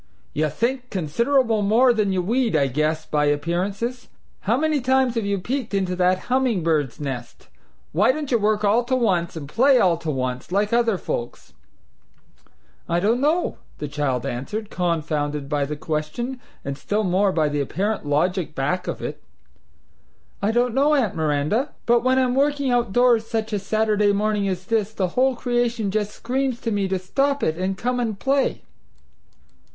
"You think considerable more than you weed, I guess, by appearances. How many times have you peeked into that humming bird's nest? Why don't you work all to once and play all to once, like other folks?" "I don't know," the child answered, confounded by the question, and still more by the apparent logic back of it. "I don't know, Aunt Miranda, but when I'm working outdoors such a Saturday morning as this, the whole creation just screams to me to stop it and come and play."